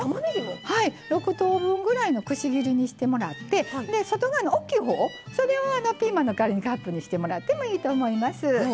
６等分ぐらいのくし切りにしてもらって外側の大きいほうをそれをピーマンの代わりにカップにしてもらってもいいと思います。